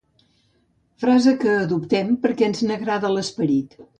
Frase que adoptem perquè ens n'agrada l'esperit.